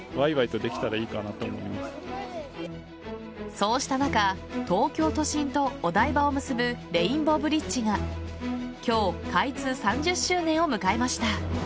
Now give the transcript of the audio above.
そうした中東京都心とお台場を結ぶレインボーブリッジが今日、開通３０周年を迎えました。